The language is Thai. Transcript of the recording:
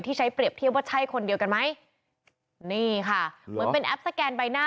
ใช้เปรียบเทียบว่าใช่คนเดียวกันไหมนี่ค่ะเหมือนเป็นแอปสแกนใบหน้า